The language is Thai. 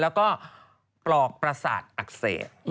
แล้วก็ปลอกประสาทอักเสบ